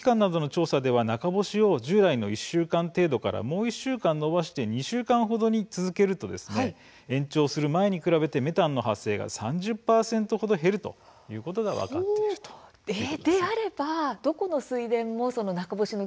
国の研究機関などの調査では中干しを従来の１週間程度からもう１週間延ばして２週間程にすると延長する前に比べてメタンの発生が３０％くらい減るそれであればメタンが減るということになりますよね。